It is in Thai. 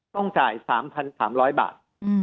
ต้องจ่าย๓๓๐๐บาท